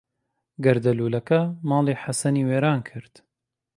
گەردەلوولەکە ماڵی حەسەنی وێران کرد.